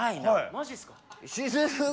マジっすか。